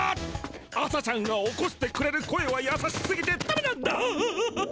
朝ちゃんが起こしてくれる声はやさしすぎてダメなんだハハハ。